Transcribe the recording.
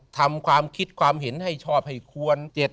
ทำความคิดความเห็นให้ชอบให้ควร